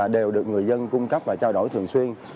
đều được người dân cung cấp và trao đổi thường xuyên